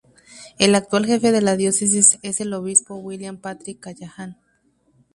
El actual jefe de la Diócesis es el Obispo William Patrick Callahan.